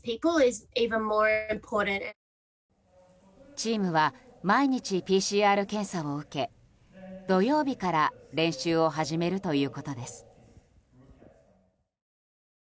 チームは毎日ＰＣＲ検査を受け土曜日から練習を始めるということです。